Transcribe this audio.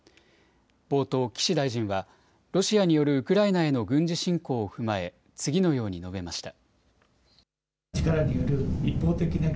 冒頭、岸大臣は、ロシアによるウクライナへの軍事侵攻を踏まえ、次のように述べました。